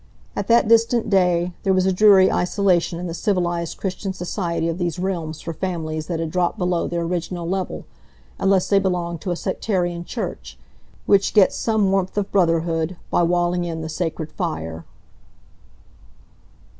At that distant day, there was a dreary isolation in the civilised Christian society of these realms for families that had dropped below their original level, unless they belonged to a sectarian church, which gets some warmth of brotherhood by walling in the sacred fire.